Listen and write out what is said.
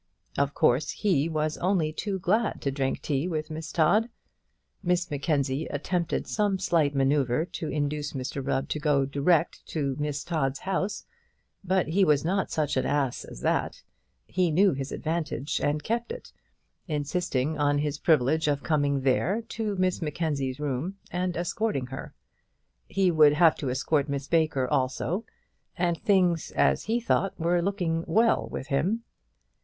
Of course he was only too glad to drink tea with Miss Todd. Miss Mackenzie attempted some slight manoeuvre to induce Mr Rubb to go direct to Miss Todd's house; but he was not such an ass as that; he knew his advantage, and kept it, insisting on his privilege of coming there, to Miss Mackenzie's room, and escorting her. He would have to escort Miss Baker also; and things, as he thought, were looking well with him.